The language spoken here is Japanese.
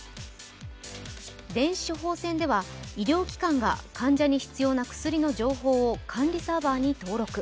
電子処方箋では、医療機関が患者に必要な薬の情報を管理サーバーに登録。